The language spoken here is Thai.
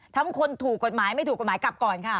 คนถูกกฎหมายไม่ถูกกฎหมายกลับก่อนค่ะ